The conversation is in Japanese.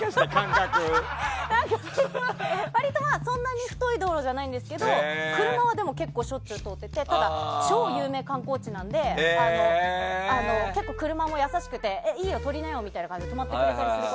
そんなに太い道路じゃないんですけど車は結構しょっちゅう通っててただ、超有名観光地なので結構、車も優しくていいよ、撮りなよって止まってくれたりして。